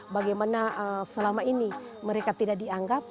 bagaimana selama ini mereka tidak dianggap